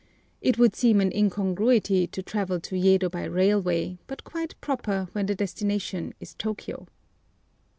It would seem an incongruity to travel to Yedo by railway, but quite proper when the destination is Tôkiyô.